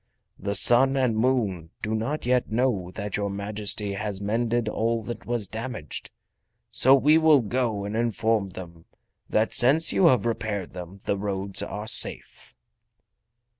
The Sun and Moon do not yet know that your Majesty has mended all that was damaged, so we will go and inform them that since you have repaired them the roads are safe."